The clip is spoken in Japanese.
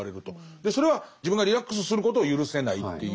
それは自分がリラックスすることを許せないっていう。